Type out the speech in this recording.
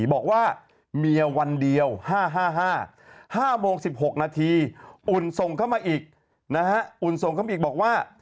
บอกว่าเมียวันเดียว๕๕โมง๑๖นาทีอุ่นส่งเข้ามาอีกนะฮะอุ่นส่งเข้ามาอีกบอกว่า